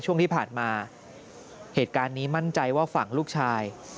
ช่วงที่ผ่านมาเหตุการณ์นี้มั่นใจว่าฝั่งลูกชาย